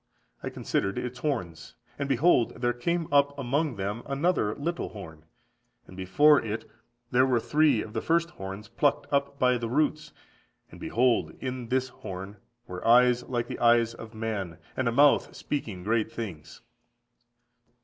I considered its horns, and behold there came up among them another little horn, and before it there were three of the first horns plucked up by the roots; and behold in this horn were eyes like the eyes of man, and a mouth speaking great things."